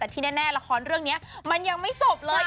แต่ที่แน่ละครเรื่องนี้มันยังไม่จบเลย